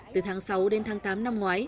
từ tháng sáu đến tháng tám năm ngoái